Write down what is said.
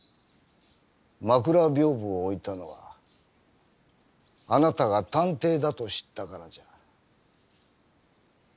枕屏風を置いたのはあなたが探偵だと知ったからじゃ。